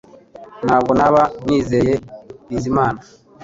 Ntabwo naba nizeye Bizimana